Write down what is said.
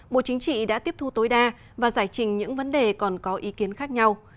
bộ chính trị đã tiếp thu tối đa và giải trình những vấn đề còn có ý kiến khác nhau